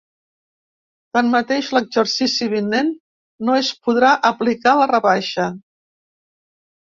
Tanmateix, l’exercici vinent no es podrà aplicar la rebaixa.